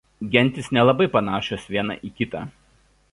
Gentys nelabai panašios viena į kitą.